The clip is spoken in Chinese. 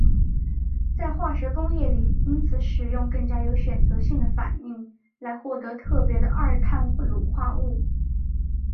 在化学工业里因此使用更加有选择性的反应来获得特别的二碳卤化物。